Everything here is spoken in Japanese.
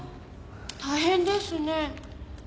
大変ですね。